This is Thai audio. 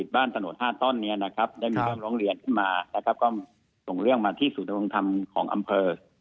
ได้มีเรื่องร้องเรียนส่งมาที่สูตรวงธรรมของอำเภอ